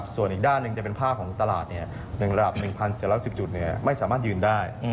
ส่วนอีกด้านหนึ่งจะเป็นภาพของตลาด๑ระดับ๑๗๑๐จุดไม่สามารถยืนได้